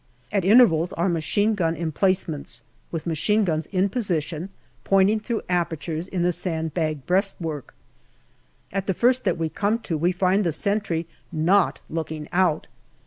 At intervals are machine gun emplacements, with machine guns in position, pointing through apertures in the sand bagged breastwork. At the first that we come to we find the sentry not looking out.